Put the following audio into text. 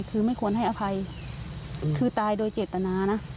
คือไม่ควรให้อภัยคือตายโดยเจตนานะ